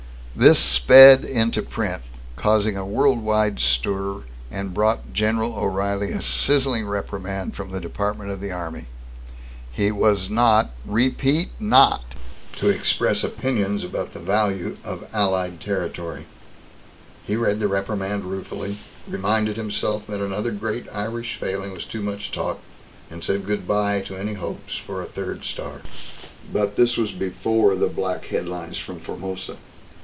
This sped into print, caused a world wide stir, and brought General O'Reilly a sizzling reprimand from the Department of the Army. He was not REPEAT NOT to express opinions about the value of allied territory. He read the reprimand ruefully, reminded himself that another great Irish failing was too much talk and said good by to any hopes for a third star. But this was before the black headlines from Formosa.